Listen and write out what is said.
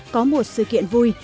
có một sự kiện vui